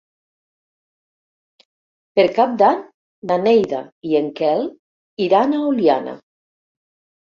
Per Cap d'Any na Neida i en Quel iran a Oliana.